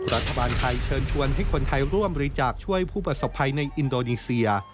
รัฐบาลไทยเชิญชวนให้คนไทยร่วมบริจาคช่วยผู้ประสบภัยในอินโดนีเซีย